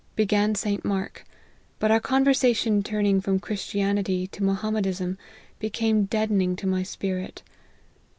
Began St. Mark ; but our conversation turning from Christian ity to Mohammedism, became deadening to my spirit.